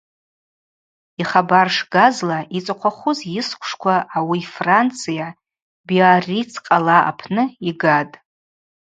Йхабар шгазла, йцӏыхъвахуз йысквшква ауи Франция, Биарриц къала апны йгатӏ.